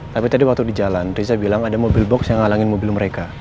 tapi tadi waktu di jalan riza bilang ada mobil box yang ngalangin mobil mereka